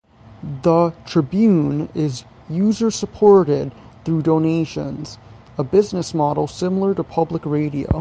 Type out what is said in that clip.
The "Tribune" is "user-supported" through donations, a business model similar to public radio.